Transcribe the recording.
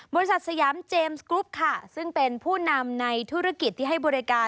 สยามเจมส์กรุ๊ปค่ะซึ่งเป็นผู้นำในธุรกิจที่ให้บริการ